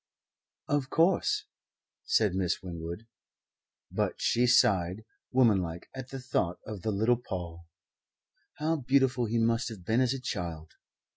"Of course," said Miss Winwood. But she sighed, womanlike, at the thought of the little Paul (how beautiful he must have been as a child!)